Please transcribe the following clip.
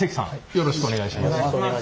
よろしくお願いします。